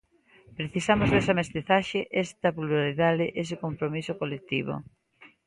Precisamos desa mestizaxe, esta pluralidade, ese compromiso colectivo.